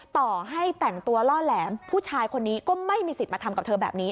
ต่อให้แต่งตัวล่อแหลมผู้ชายคนนี้ก็ไม่มีสิทธิ์มาทำกับเธอแบบนี้